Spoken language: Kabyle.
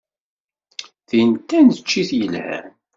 Tin d taneččit yelhan.